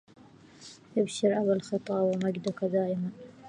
أبشر أبا الخطاب مجدك دائم